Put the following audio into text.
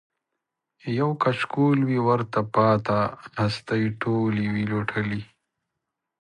یو کچکول وي ورته پاته هستۍ ټولي وي لوټلي